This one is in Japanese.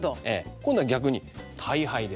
今度は逆に大杯で。